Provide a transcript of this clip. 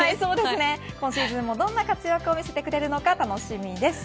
今シーズンもどんな活躍を見せてくれるのか楽しみです。